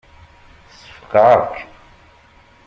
Ssfeqεeɣ-k.